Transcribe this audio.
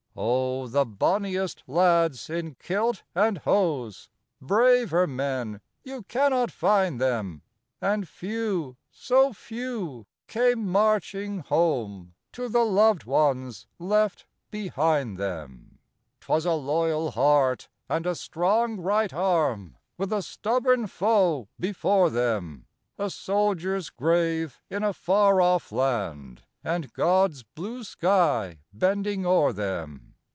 Oh, the bonniest lads in kilt and hose Braver men, you cannot find them And few, so few, came marching home To the loved ones left behind them. 'Twas a loyal heart, and a strong right arm, With a stubborn foe before them; A soldier's grave in a far off land, And God's blue sky bending o'er them.